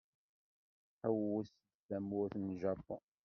Tḥewwes-d tamurt n Japun.